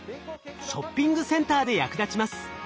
ショッピングセンターで役立ちます。